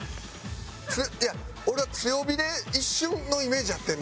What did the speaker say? いや俺は強火で一瞬のイメージやってんな。